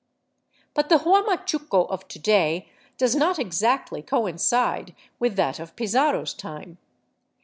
But the Huamachuco of to day does not exactly coincide with that of Pizarro's time.